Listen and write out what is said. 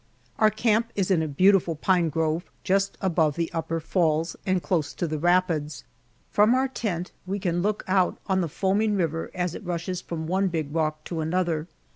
OUR camp is in a beautiful pine grove, just above the Upper Falls and close to the rapids; from out tent we can look out on the foaming river as it rushes from one big rock to another.